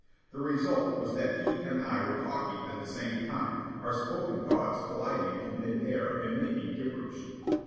The result was that he and I were talking at the same time, our spoken thoughts colliding in mid air and making gibberish.